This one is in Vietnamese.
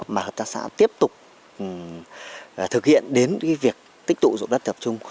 mà hợp tác xã tiếp tục thực hiện đến việc tích tụ dụng đất tập trung